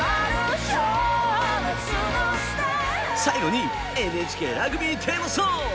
最後にＮＨＫラグビーテーマソング。